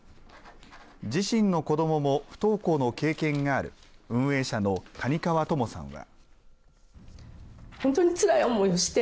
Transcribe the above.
自身の子どもも不登校の経験がある運営社の谷川知さんは。